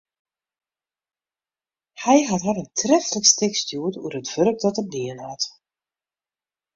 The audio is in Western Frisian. Hy hat har in treflik stik stjoerd oer it wurk dat er dien hat.